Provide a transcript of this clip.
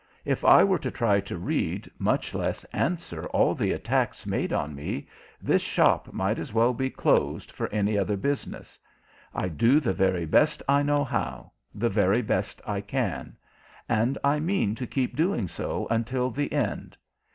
If I were to try to read, much less answer, all the attacks made on me, this shop might as well be closed for any other business. I do the very best I know how the very best I can; and I mean to keep doing so until the end.